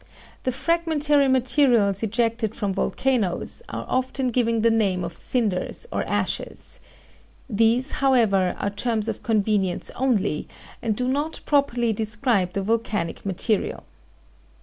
The fragmentary materials ejected from volcanoes are often given the name of cinders or ashes. These, however, are terms of convenience only, and do not properly describe the volcanic material.